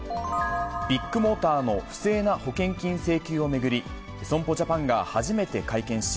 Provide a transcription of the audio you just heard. ビッグモーターの不正な保険金請求を巡り、損保ジャパンが初めて会見し、